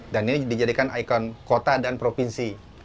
dan ini dijadikan ikon kota dan provinsi